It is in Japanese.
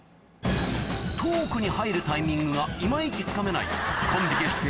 トークに入るタイミングが今イチつかめないコンビ結成